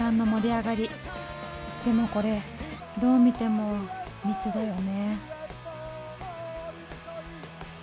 でもこれどう見ても密だよね。